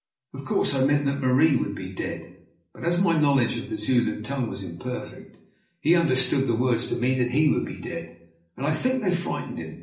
Of course, I meant that Marie would be dead. But as my knowledge of the Zulu tongue was imperfect, he understood the words to mean that he would be dead, and I think they frightened him.